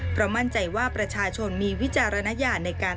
เพราะมั่นใจว่าประชาชนมีวิจารณญาณในการ